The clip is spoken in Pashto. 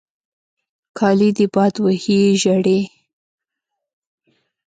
کالې دې باد وهي ژړې.